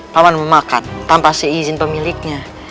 pawan memakan tanpa seizin pemiliknya